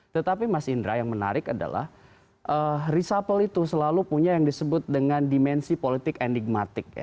tetapi mas indra yang menarik adalah risapel itu selalu punya yang disebut dengan dimensi politik enigmatik